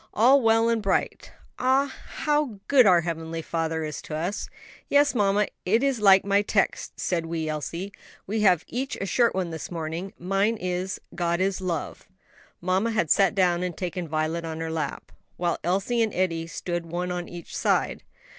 "All well and bright! Ah, how good our heavenly Father is to us!" "Yes, mamma, it is like my text," said wee Elsie, "We have each a short one this morning. Mine is, 'God is love.'" Mamma had sat down and taken Violet on her lap, while Elsie and Eddie stood one on each side.